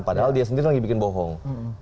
padahal dia sendiri yang dibikin bohong